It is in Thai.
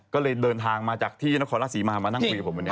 ก็เลยเดินทางมาจากที่นครราชศรีมามานั่งคุยกับผมวันนี้